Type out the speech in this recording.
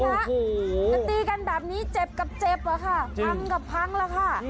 จะตีกันแบบนี้เจ็บกับเจ็บอะค่ะพังกับพังแล้วค่ะ